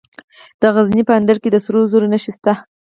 د غزني په اندړ کې د سرو زرو نښې شته.